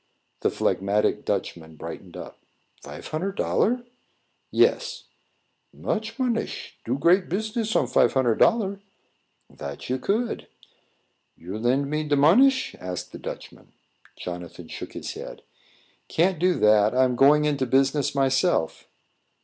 The phlegmatic Dutchman brightened up. "Fife hunnard dollar?" "Yes." "Much monish. Do great business on fife hunnard dollar." "That you could." "You lend me de monish?" asked the Dutchman. Jonathan shook his head. "Can't do that. I'm going into business myself."